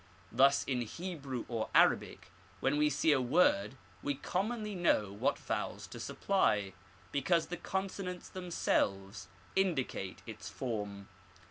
Thus in Hebrew or Arabic when we see a word we commonly know what vowels to supply, because the consonants themselves indicate its form.